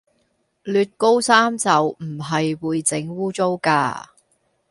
捋高衫袖唔係會整污穢㗎